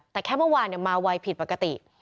แต่แค่เมื่อวานเนี่ยมาวัยผิดปกติ